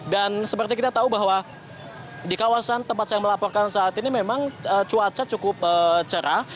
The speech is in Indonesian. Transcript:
dan seperti kita tahu bahwa di kawasan tempat saya melaporkan saat ini memang cuaca cukup cerah